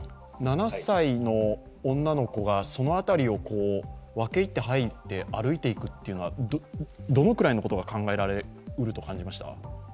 ７歳の女の子がその辺りを分け入って入って歩いていくというのはどのくらいのことが考えられうると感じました？